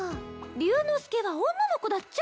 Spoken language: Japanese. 竜之介は女の子だっちゃ。